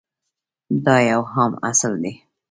دا یو عام اصل دی.